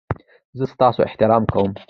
زه ستاسو احترام کوم